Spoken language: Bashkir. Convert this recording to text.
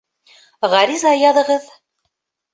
Ғариза яҙығыҙ